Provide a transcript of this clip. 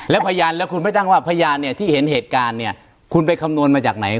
แล้วคุณไม่ตั้งว่าพยานที่เห็นเหตุการณ์คุณไปคำนวณมาจากไหน